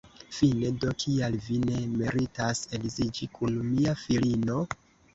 Fine do, kial vi ne meritas edziĝi kun mia filino?